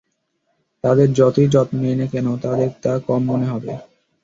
তাদের যতই যত্ন নিই না কেন, তাদের তা কম মনে হবে!